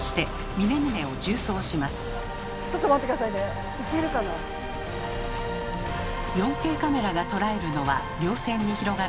４Ｋカメラが捉えるのは稜線に広がる広大な大地。